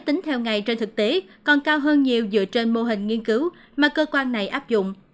tính theo ngày trên thực tế còn cao hơn nhiều dựa trên mô hình nghiên cứu mà cơ quan này áp dụng